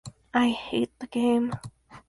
I hate the game.